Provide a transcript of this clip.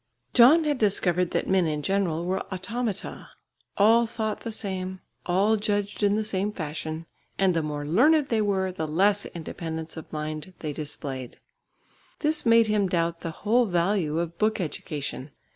John had discovered that men in general were automata. All thought the same; all judged in the same fashion; and the more learned they were, the less independence of mind they displayed. This made him doubt the whole value of book education.